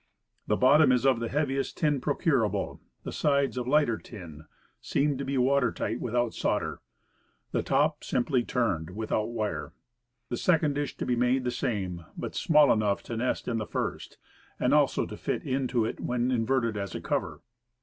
The bottom is of the heaviest tin procurable, the sides of fighter tin, and seamed to be water tight without solder. The top simply turned, without wire. The second dish to be made the same, but small enough to nest in the first, and also to fit into it when inverted as a cover.